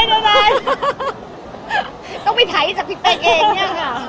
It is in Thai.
ฆ่าตัวน้อยเชียวต้องไปถ่ายจากพี่เป๊กเองเนี่ยค่ะ